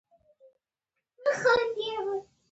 کسبګرو د امتیازاتو د دفاع لپاره تشکیلات جوړ کړل.